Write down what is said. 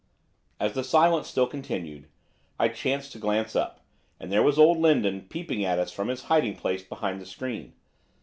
As the silence still continued, I chanced to glance up, and there was old Lindon peeping at us from his hiding place behind the screen.